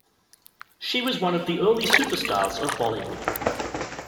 She was one of the early superstars of Bollywood.